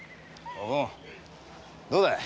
おぶんどうだい？